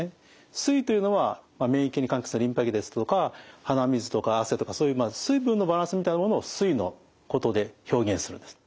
「水」というのは免疫に関係するリンパ液ですとか鼻水とか汗とかそういう水分のバランスみたいなものを「水」のことで表現するんです。